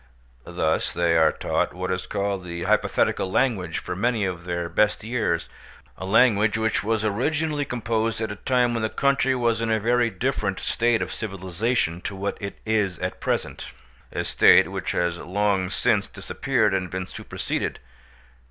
Thus they are taught what is called the hypothetical language for many of their best years—a language which was originally composed at a time when the country was in a very different state of civilisation to what it is at present, a state which has long since disappeared and been superseded.